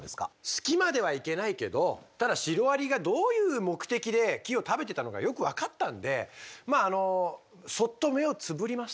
好きまではいけないけどただシロアリがどういう目的で木を食べてたのかよく分かったんでまああのそっと目をつぶります。